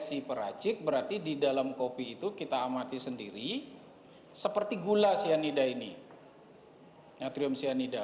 si peracik berarti di dalam kopi itu kita amati sendiri seperti gula cyanida ini natrium cyanida